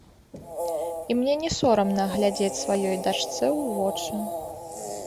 І мне не сорамна глядзець сваёй дачцэ ў вочы.